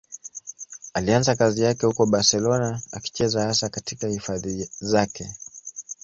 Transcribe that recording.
Alianza kazi yake huko Barcelona, akicheza hasa katika hifadhi zake.